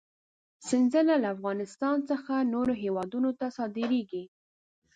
سنځله له افغانستان څخه نورو هېوادونو ته صادرېږي.